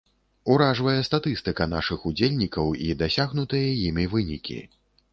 Уражвае статыстыка нашых удзельнікаў і дасягнутыя імі вынікі.